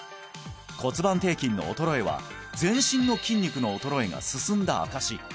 骨盤底筋の衰えは全身の筋肉の衰えが進んだ証し